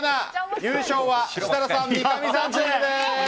優勝は設楽さん・三上さんチームです！